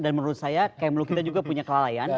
dan menurut saya kmlu kita juga punya kelalaian